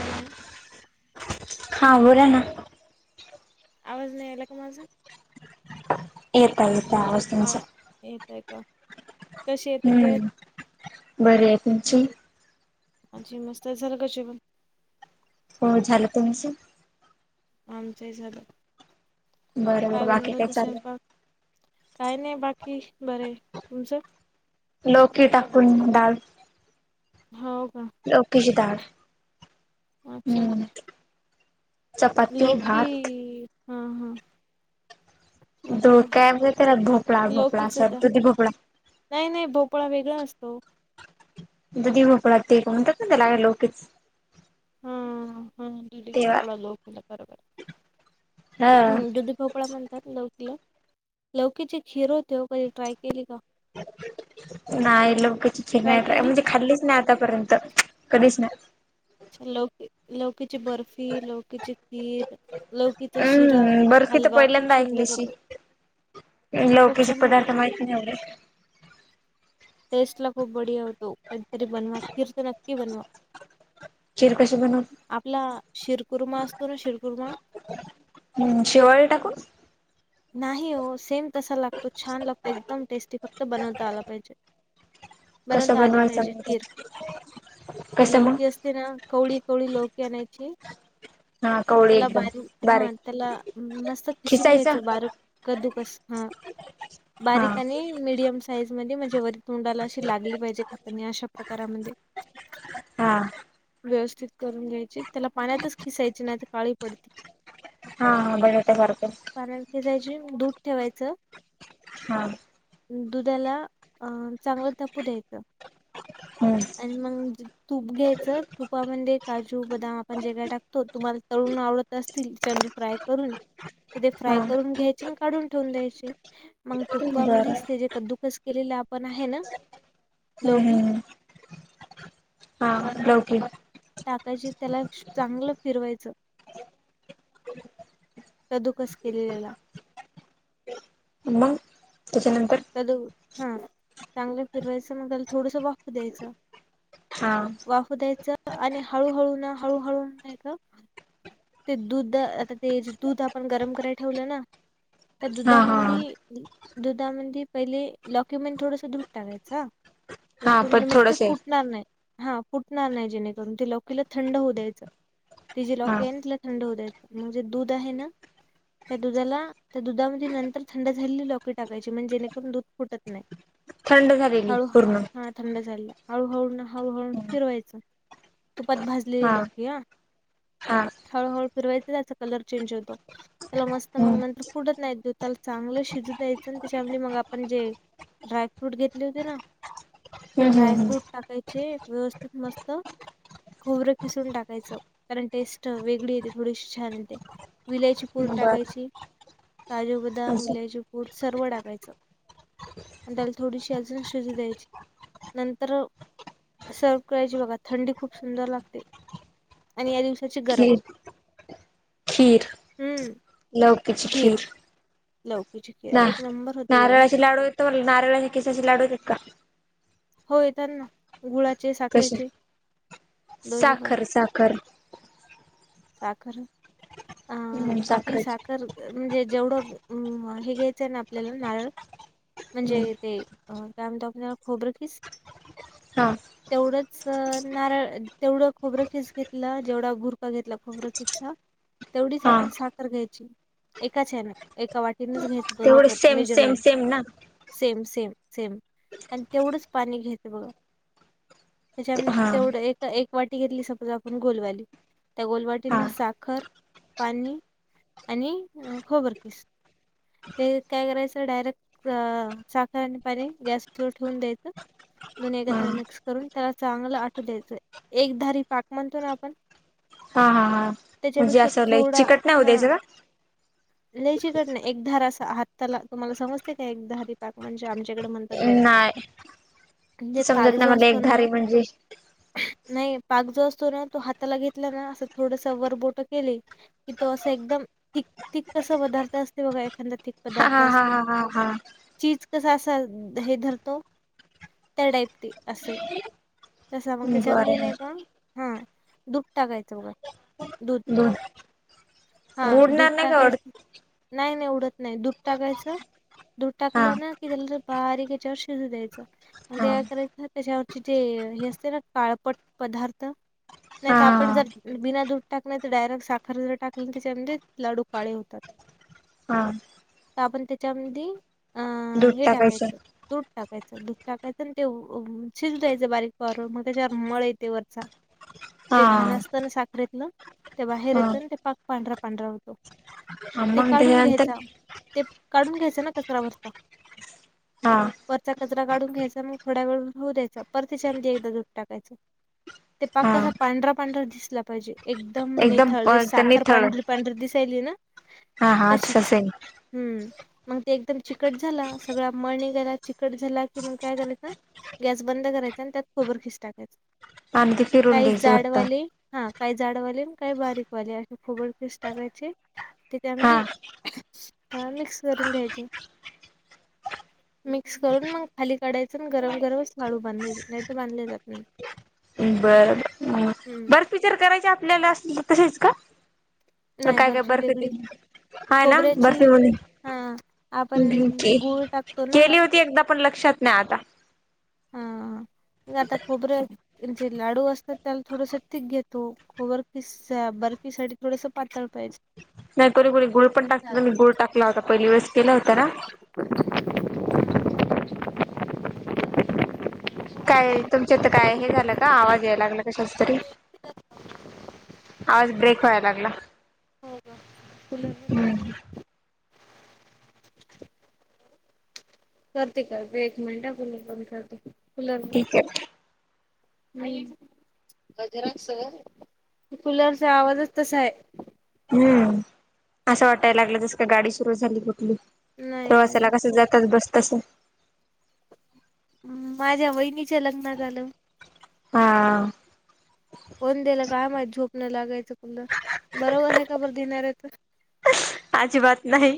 Hello हा बोर ना आवाज नाही येलाक माझ येत येत ह येेत आहे का कशी आहे तब्येत? हम्म बर आहे तुमची आज मस्त सार कश हो झालं तुमचं आमचंही झालं बर बर बाकी बनवलं काय होतं चाल स्वयंपाक? काय नाही बाकी बरं आहे तुमचं लोक टाकून डाल हाव का? लवकीच दाड. हं. लोवकी, हा. हा. दो मस्त काय ग तेला, भोपळा- भोपळा, लोकीच स द दुधी भोपळा नाही- नाही, भोपळा वेगळा असतो. दुधी भोपळा ते म्हणतात ना त्याला, लोकिच. हा हा दुधी तेव्हा भोपळा लोकीला, बरोबर. ह हं, दुधीभोपळा म्ह लोकला. लौकीची खीर होते ओ. कधी ट्राय केली का? नाही लोवकीचिची ट्राय नाही बाय, केली? म्हणजे खालीच नाही आतापर्यंत. कधीच नाही. लोवकी, लोवकीची बर्फ र्फी, लौकीची खिर, लौकीचा शिरा, हम्म बर्फी तर हलवा, खूप पहिल्यांदा सुंदर ऐकलीशी होतो. [inaudible] खूप लौकीचे छान होतो पदार्थ माहिती नाही एवढे. टेस्ट ला खूप बढिया होतो. कधीतरी बनवा. खीर तर नक्की बनवा. खीर कशी बनवता? आपला, शिरकुर्मा असतो ना. शिरकुर्मा. हम्म. शिवाळी टाकून? नाही हो. सेम तसा लागतो. छान लागतो, एकदम टेस्टी. फक्त बनवता आला पाहिजे. कसं बनवता आली बनवायचं पाहिजे, मग खीर. ते ती कसं मग लवकी अस ते ना. कवळी -कवळी लोकी आणायची. हा कवळी त्याला एकदम बारी, हा. बारीक त्याला मस्त खिसून घ्याय खिसायच बार, कदुकस. हं. हा बारीक आणि मिडीयम साईज मध्ये, म्हणजे वर तोंडाला अशी लागली पाहिजे, खातानी. अशा प्रकारामध्ये. हा हा व्यवस्थित करून घ्यायची. त्याला पाण्यातच खिसायची. नाही तर काळी पडती. हा, हा. बटाटया सारखंच. पारण खेचायची. दूध ठेवायचं. हा. दुधाला, अ चांगलं तापू द्यायचं. हं. अन् मंग तूप घ्यायचं. तुपामध्ये काजू, बदाम, आपण जे काय टाकतो, तुम्हाला तळून आवडत अस तील, चंडी फ्राय करून हा फ्राय करून घ्यायचे, न काढून ठेवून द्यायचे. मग बरं तुपामध्येच त्याज्या कद्दुकस केलेलं आपण आहे ना हं, लौकी हं, ह. हा, लौकी टाकायची. त्याला चांगलं फिरवायचं. कदुकस केलेल्याला. मंग, त्याच्यानंतर. ल हा. चांगलं फिरवायचं मग त्याला थोडस वाफ द्यायचं. हा. वाफ द्यायच. आणि हळूहळू ना, हळूहळू नाही का ते दूध, आता ते जे दूध, आपण गरम करायला ठेवलं ना. त्या हा हा दुधामंदी दुधामध्ये पहिले, लौकीमध्ये थोडस दूध टाकायच. आ हा [unintelligible] पण म्हणजे ते थोडस आहे फुटणार नाही. हा, फुटणार नाही, जेणेकरून. त लौकीला थंड होऊ द्यायच. ति जी हा लौकी केंटला थंड होऊ द्याय, म्हणजे दूध आहे ना त्या दुधाला, त्या दुधामध्ये नंतर थंड झालेली लौकी टाकायची. म्हण जेणेकरून दूध फुटत नाही. थंड झालेली हळु पूर्ण हा. थंड झाले हळूहळू ना हळूहळू फिरवायचं तुपात भाजले हा लौकी ह. हा हळूहळू फिरवायच त्याचा कलर चेंज होतो. त्याला मस्त मग हम्म नंतर पुडत नाही देऊ त्याला चांगलं शिजू दयायचं त्याच्याम मग आपण जे ड्रायफ्रूट घेतले होते ना. ते हम्म हम्म ड्रायफ्रूट टाकायचे व्यवस्थित मस्त खोबरं खिसून टाकायचं कारण टेस्ट. वेगळी येते थोडीशी छान येते विलायची पूर हम्म बरं टाकायची काजू. बदाम अजून इलायचीीपूर सर्व टाकायचं. आणि त्याला थोडीशी अजून शुजी द्यायची नंतर. सर्व करायची बघा थंडी खूप सुंदर लागते आणि या दिवशी. त्याचे गरम खीर खीर खीर. लवकीच केअर एक नंबर होते बघा. नारळा च लाडू चका. हो येत ना गुळाचे कसे साखरेचे दोन्ही पण. साखर साखर. साखर अं हम्म आपली साखरेची साखर. म्हणजे जेवढं हे घ्यायचंय ना आपल्याला नारळ म्हणजे हम्म ते. अ त्या म त आपनला खबरखीस. हां. तेवढंच नारळ तेवढं खोबरखीच घेतलं जेवढा घुरखा घेतला खोबरखीचा. तेवढीच हा आपण साखर घ्यायची एकाचन एका वाटीनच घ्यायची. तेवढं सेम सेम सेम ना. सेम सेम सेम आणि तेवढंच पाणी घ्यायचं बघा. त्याच्या हा तेवढं एक एक वाटी घेतली सपोज आपण गोलवाली. त्या हा गोलवाटींना साखर. पाणी आणि खोबरकीीस ते काय करायचं डायरेक्ट. अ साखर आणि पाणी गॅस त ठेवून द्यायचं. ून हा हा एकत्र मिक्स करून त्याला चांगलं आटू द्यायचंय. एकधारी पाक म्हणतो ना आपण. हा हा हां म्हणजे त्याच्यापेक्षा असंलंय चिकट नाही होऊ द्यायचं का. ललेचीकड नाही एकधार अस हातला तुम्हाला समजते काय एकधारी. म्हणजे आमच्याकडे म्हणतात का बघा नाही ते म्हणजे ताग समजत नाही जो मला असतो ना. एकधारी म्हणजे नाही पाक जो असतो ना तो हाताला घेतला ना असं थोडस वरबोट केले. कि तो असं एकदम. तक कस पदार्थ असते बघा एखादा ीक पदार्थ. हा हा असतो हा हा हा. चीज कसा असा हे धरतो त्या टाईप ते असे. तसा मग त्याच्यामध्ये बरं नाही का हा दुप टाकायचं बघ. ब [inaudible] [unintelligible] हा दुध टाकायचं नाही नाही उडत नाही दुध टाकायचं. दूध हा टाकलं ना की त्याला तर बारीक याच्यावर शिजू द्यायचं. हा म्ह करायच त्याच्यावरचे जे हे असते ना काळपट पदार्थ. नाही तर आपण हा जर बिना दूध टाक नाही तर डायरेक्ट साखर जर टाकली त्याच्यामध्ये लाडू काळे होतात. हा साबण तेच्यामदी. अं हे टाकायचं दूध टाकायचं दूध टाकायचं आणि ते शिज दयचं बारीक पर मग त्याच्यावर मळ येते वरचा जे हा घाण असतं ना साखरेतलं. त्या बाहेर येतना ते हा पाक पांढरा पांढरा होतो ते मग काढून त्याच्यानंतर घ्यायचा. ते काढून घ्यायचे ना कचरा वरता. हा. वरचा कचरा काढून घ्यायचा मग थोड्या वेळ होऊ द्यायचा पर त्याच्यामध्ये एकदा दूध टाकायचं ते पाक हा कसा पांढरा पांढरा दिसला पाहिजे. एकदम निथळ एकदम साखर निथळ पांढरी पांढरी दिसायली ना. हा हा तशीच तसच आहे. हम्म मग ते एकदम चिकट झाला सगळा मळ निघाला गला चिकट झाला कि मग काय करायचं. गॅस बंद करायचा आणि त्यात खबर खीस टाकायच आणि ते फिरून काही घ्यायचं वाटतं जाडवाले हा. काय झाडवाले काही बारीकवाले अशी खोबडतीस टाकायचे. ते हा त्यामध्ये त्या मिक्स करून घ्यायचे. मिक्स करून मग खाली काढायचं आणि गरम गरमच लाडू बांधायचे. नाही बधले आपण जातोय. बरं बर्फी कराय ची आपल्याला अस तसेच का? नाही काय काय बर्फी दे वेगळी हाय ना खोबऱ्याची बर्फी वानी हा आपण भकी गुळ टाकतो ना गली होती एकदा पण लक्षात नाही आता हाता खूबर. जे लाडू असतात त्याला थोडस तीिक घेतो खोबर फीस. बर्फीसाठीठी थोडस पातळ पाहिजे. नाही कोणी कोुणी गुळ पण टाकत मी गुळ टाकला होता पहिले यवस केला होता ना. [unintelligible] काय तुमच्यात काय हे झालं का आवाज या लागला. शस्त्री आवाज ब्रेक व्हाय लागला. हो का? हम्म करते करते एक मिनट कुलर बंद करते कूलर ठीक आहे. नाही. जर कुलरचा आवाजच तसा आहे. हम्म असं वाटायला लागलं तस का गाडी सुरू झाली कुठली? नाही प्रवासाला नाही कसं जातात बसतस माझ्या वहिनीच्या लग्नात झाल. हा. फोन दिला काय माहि झोपणं लागायचं कुठलबरोबर आहे का बरं देणार आहेेत. आजी बात नाही.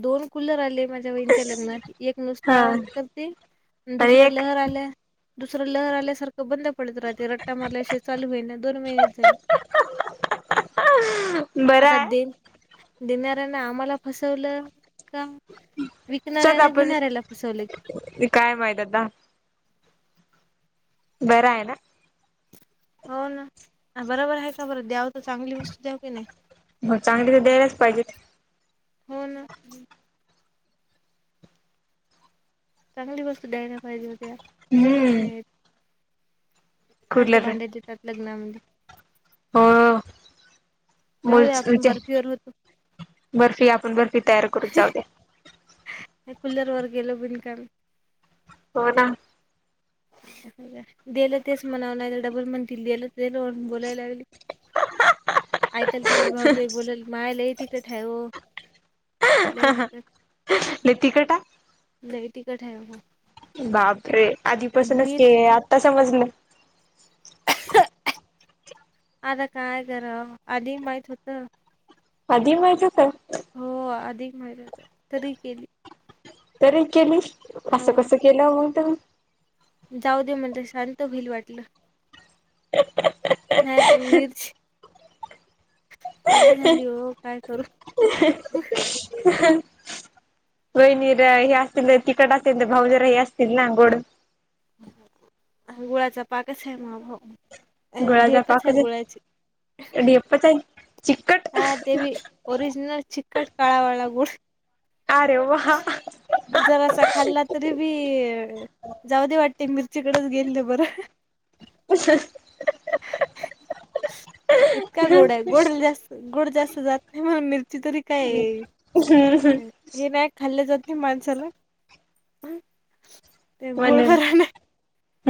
दोन कुलर आले म्हणजे वच्या लग्नात एक नुसत हा आवाज करते आणि दुसरं एक लहर आल. दुसरं लहर आल्यासारखं बंद पडत राहतय. ते रट्टा मला चालू होई ना दोन महिने झाले. बरं आता आहे दे देणाऱ्यांने आम्हाला फसवलं. का विकणाऱ्या स्वतः ना पण घेणाऱ्याला फसवले. काय माहितद्ात. बरा आहे ना. हो ना बरोबर आहे का बरं आहे का बर. म चांगली ते द्यायलाच पाहिजेत. हो ना. चांगली वस्तू द्यायला पाहिजे होत्या बरोबर हम्म नाही. हा असे कुलर भांडे देतात लग्नामध्ये हो जाऊ बोल दे तु आपण बर्फीवर होतो बर्फी आपण बर्फी तयार करत जाऊ द. कुल्लर वर गेलो बिनकामी हो ना. गलं तेच म्हणावं लागलं डबल म्हणतील दिलं ते बोलायला लागली. ऐकाल तुम्ही भाऊजई बोलाल मायलाय तिकठ आहे व लंय तिखंट लय तिखट आहे लंय तिखंट आहे बापरे आधीपासूंनचं के आतां समजलं आतां कायं गरमं आधी माहितं होतं आधी माहितं होतं हो अधिक माहितं होतं तरी गेली. तरी केली हो असं कसं केलं मंग तुम्हीं जाऊं दे म्हणलं शांत होईलं वाटलं. नाहीं पणं मिर्ची नाहीं झालीं हो कायं करूं. ह [unintelligible] वहिणी ह्यां असतीलं तरं तिखंट असतीलं तरं भाऊंजरां हे असतीलं नां गोंड. गुंळाचां पांकचं आहे मंग अ गुळाचा ढेपचं आहे पाकच गुंळाची. ढेपच आहे चिकट हां ते बी ओरिजिनल चिकंट कांळा वांळा गुंळ अरे वां वां जरांसा खांल्ला तरी बी जाऊं देे वाटते. मिर्ची कडेचं गेललं बरं. इतकां गोंड आहे गोंड जास्तं गोंड जास्तं जातं नाहीं मं मिर्ची तरी खांईल. हे नाहीं खांल्ले जांते माणसालां ते गुंळ बरां नाहीं.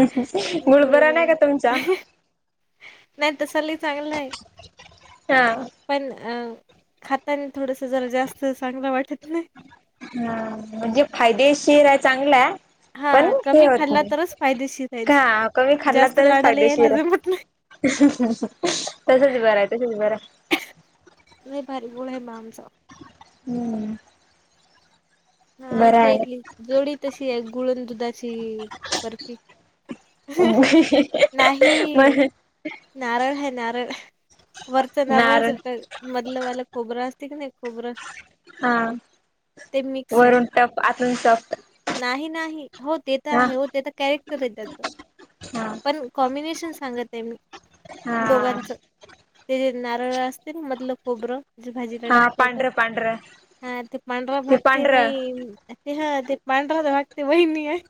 गुंळ बरां नाहीं कां तुमचां. नाहीं तसं लंय चांगलायं. हां पणं अ खांतानां थोडंसं जरां जास्तं चांगलं वाटतं नाहीं. हां म्हणंजे फायदेशीर आहे चांगलंय. हा पणं हे कमी होतं खाल्ला नाहीं. तरच फायदेशीर आहे ते कां कमी खांल्ला जास्त तरचं लाडाला यायला फायदेशीर आहे. जमत नाही तसचं बरं आहे तसचं बरं आहे. नाहीं लंय भांरी गुंळ आहे आमचां. हम्मं हं आमची एक जोडी तशी आहे गुंळन दुधांची बर्फी. हं नाहीं मग नांरळ आहे नांरळ. वरचं नारळ नारळाचं येतं मधलं वालं खोबरं असतें की नाहीं खोबरं. हां ते वरूंन टंफ आतूंन सॉफ्ट. नाहीं, नाहीं हो ते तरं हा आहे हो. ते तरं कॅरेक्टंर आहे त्याचं. हा पणं कॉम्बिनेशनं सांगतं आहे मी. हा दोघांचं ते नांरळ असतें नां मधलं खोबरं. भाजीलां हा टाकतो आपणं पांढरं पांढरं हां ते पांढरा ते भागंते पांढरं बाई ते हं ते. भाऊलां वाटतें वहिनी आहे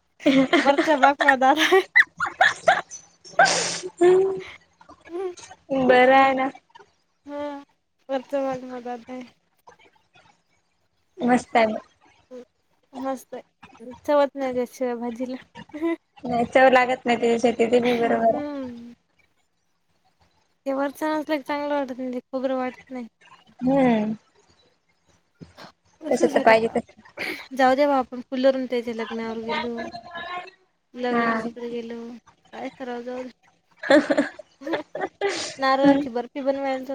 वरच्यां भांग मालां बरं आहे नां हम्मं वरच्यां भांग मदांत आहे. मस्तं आहे मंग. मस्तं आहे. चवचं नाहीं त्यांशेव भाजीलां. नाहीं चवं लागतं नाहीं त्यांच्याशिवाय देते मी बरोबर. हम्म ते वरचं असलं की चांगलं वाटतं नाहीं. ते खोबरं वाटतं नाहीं. हम्मं तसंच तर आहे पाहिजे तस बाबां. जाऊं दे बां आपणं फुलवरूंन त्यांच्या लग्नानंतर गेलो. हा गुलाबी भांजी गेलो कायं करावं जाऊं दे हं नारळांची बर्फी. बनवायंचो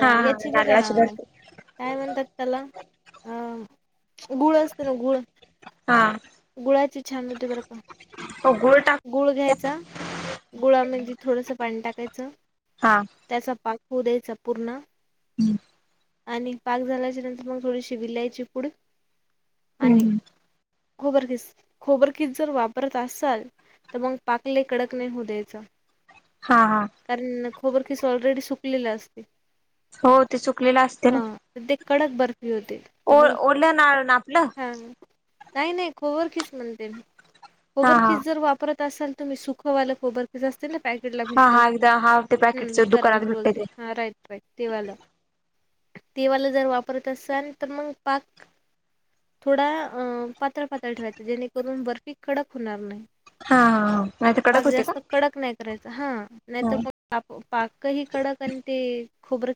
हा हा यांची नारळाची बघां. बर्फी कायं म्हणतांत त्यांला. अहं गूळं असतं नां गूळं हा. गुळायचे छान होते बर का. हो गुळ टाक गुळ घ्यायचा. गुळामध्ये थोडंसं पाणी टाकायचं. हा. त्याचा पाक होऊ द्यायचा पूर्ण हम्म. आणि पाक झाल्याच्या नंतर मग थोडीशी विलायची पुढ आणि हम्म खोबरकीिस खोबरकीिस जर वापरत असाल तर मग पाक कडक लई नाही होऊ द्यायच. हा हा. कारण खोबर खिस ऑलरेडी सुकलेली असते. हो ते चुकलेलं असते ना. हां तर ते कडक बर्फी होते. ओ ओल्या ना ना आपलं. काही नाही खोबर किस म्हणते. हा खोबर हा किस जर वापरला परत असाल तुम्ही सुखवाल खोबर ते असतंना. हा हादा हा ते पॅकेटस दुकान आग भटे हा राईत व्हय. तेवा्हाला देवाला जर वापरत असाल तर मग पाक थोडा अ पातळ पातळ ठेवायचां जेणेकरून बर्फी कडक होणार नाही. हा हा हा नाही तर पाक कडक होते का जास्त कडक नाही करायच हा नाही तर हा मग पा पाक ही कडक आणि ते खोबर